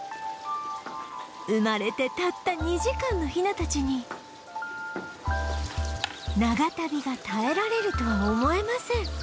生まれてたった２時間のヒナたちに長旅が耐えられるとは思えません